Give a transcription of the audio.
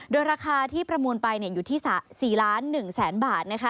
โดยราคาที่ประมูลไปอยู่ที่๔๑๐๐๐๐๐บาท